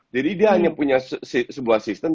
jadi dia hanya punya sebuah sistem